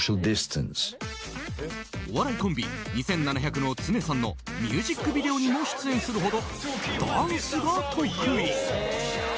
お笑いコンビ２７００のツネさんのミュージックビデオにも出演するほどダンスが得意。